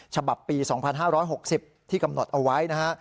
ฉบับปี๒๕๖๐ที่กำหนดเอาไว้นะฮะ